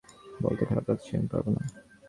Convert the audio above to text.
বলতে খারাপ লাগছে, আমি পারবো না।